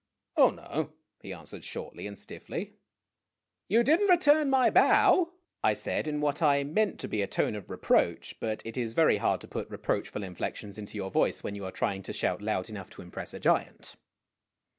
" Oh, no," he answered shortly and stiffly. " You did n't return my bow," I said, in what I meant to be a tone of reproach ; but it is very hard to put reproachful inflections into your voice when you are trying to shout loud enough to im press a giant.